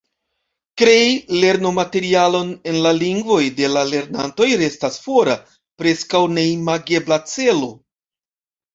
Krei lernomaterialon en la lingvoj de la lernantoj restas fora, preskaŭ neimagebla celo.